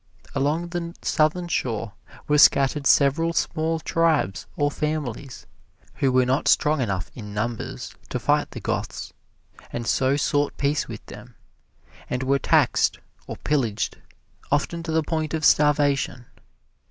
Along the southern shore were scattered several small tribes or families who were not strong enough in numbers to fight the Goths, and so sought peace with them, and were taxed or pillaged often to the point of starvation.